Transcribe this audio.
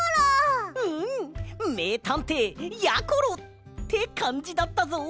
うんめいたんていやころ！ってかんじだったぞ！